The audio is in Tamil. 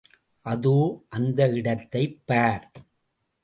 அதோ அந்த இடத்தைப் பார்.